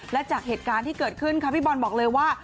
และจากเหตุการณ์ที่เกิดขึ้นค่ะพี่บอลบอกเลยว่า